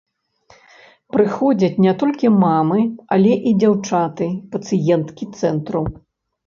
Прыходзяць не толькі мамы, але і дзяўчаты-пацыенткі цэнтру.